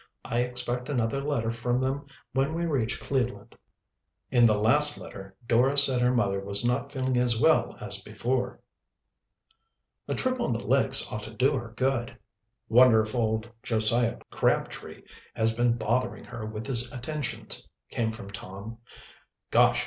"I expect another letter from them when we reach Cleveland. In the last letter Dora said her mother was not feeling as well as before." "A trip on the lakes ought to do her good." "Wonder if old Josiah Crabtree has been bothering her with his attentions?" came from Tom. "Gosh!